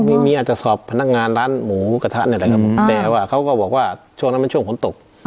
มีอาจจะสอบพนักงานร้านหมูกระทะแบบไหนครับเบลอว่าคัวก็บอกว่าช่วงมันเป็นช่วงขนตก